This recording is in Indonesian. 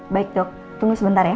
baik dok tunggu sebentar ya